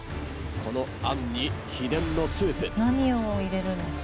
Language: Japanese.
このあんに秘伝のスープ。